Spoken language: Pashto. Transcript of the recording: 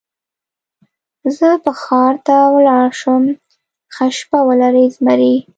زه به ښار ته ولاړ شم، ښه شپه ولرئ زمري.